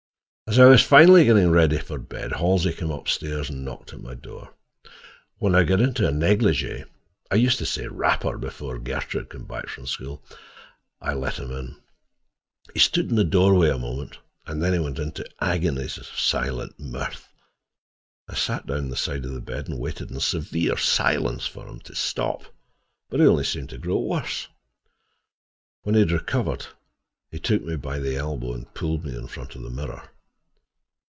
As I was finally getting ready for bed, Halsey came up stairs and knocked at my door. When I had got into a negligée—I used to say wrapper before Gertrude came back from school—I let him in. He stood in the doorway a moment, and then he went into agonies of silent mirth. I sat down on the side of the bed and waited in severe silence for him to stop, but he only seemed to grow worse. When he had recovered he took me by the elbow and pulled me in front of the mirror.